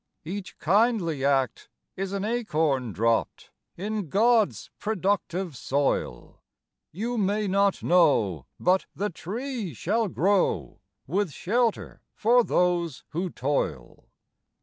Each kindly act is an acorn dropped In God's productive soil. You may not know, but the tree shall grow, With shelter for those who toil.